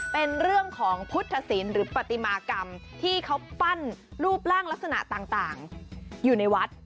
เป็นเรื่องของพุทธศิลป์หรือปฏิมากรรมที่เขาปั้นรูปร่างลักษณะต่างอยู่ในวัด